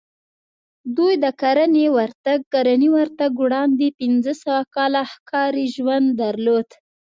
دوی د کرنې ورتګ وړاندې پنځه سوه کاله ښکاري ژوند درلود